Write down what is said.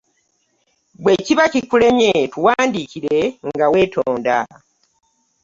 Bwe kiba kikulemye tuwandiikire nga weetonda.